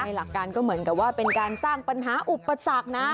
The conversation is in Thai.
หลักการก็เหมือนกับว่าเป็นการสร้างปัญหาอุปสรรคนะ